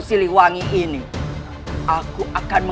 saya bukan mahu baik segalanya